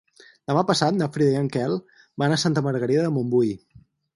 Demà passat na Frida i en Quel van a Santa Margarida de Montbui.